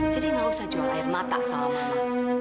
jadi gak usah jual air mata sama mama